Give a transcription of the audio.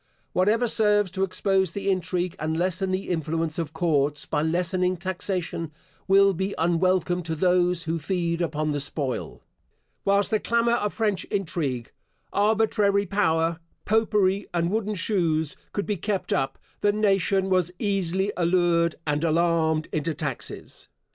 Whatever serves to expose the intrigue and lessen the influence of courts, by lessening taxation, will be unwelcome to those who feed upon the spoil. Whilst the clamour of French intrigue, arbitrary power, popery, and wooden shoes could be kept up, the nation was easily allured and alarmed into taxes.